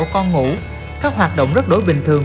các hoạt động rất đối bình thường